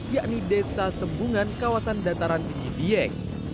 yakni desa sembungan kawasan dataran di gidieng